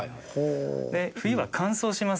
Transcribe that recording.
で冬は乾燥します。